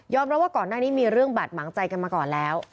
รับว่าก่อนหน้านี้มีเรื่องบาดหมางใจกันมาก่อนแล้ว